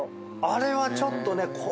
あれはちょっとね。